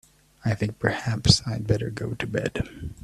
I think perhaps I'd better go to bed.